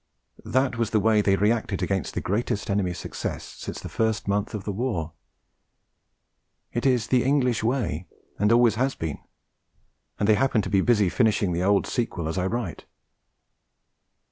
That was the way they reacted against the greatest enemy success since the first month of the war. It is the English way, and always has been. And they happen to be busy finishing the old sequel as I write.